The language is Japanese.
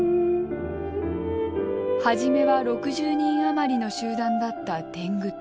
初めは６０人余りの集団だった天狗党。